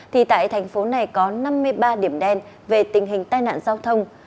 thì tại thành phố này có năm mươi ba điểm đen về tình hình tai nạn giao thông